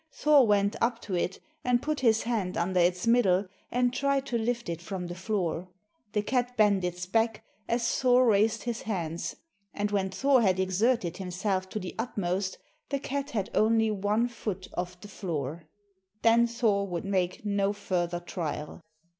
Thor went up to it and put his hand under its middle and tried to lift it from the floor. The cat bent its back as Thor raised his hands, and when Thor had exerted himself to the utmost the cat had only one foot off the floor. Then Thor would make no further trial.